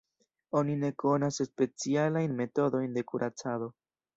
Oni ne konas specialajn metodojn de kuracado.